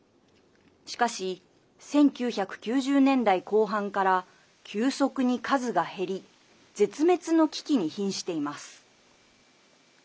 しかし、１９９０年代後半から急速に数が減り絶滅の危機にひんしています。